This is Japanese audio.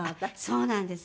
そうなんです。